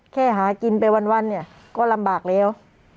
แค่หากินไปวันก็ลำบากแล้ว